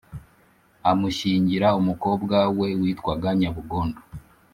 amushyingira umukobwa we witwaga nyabugondo.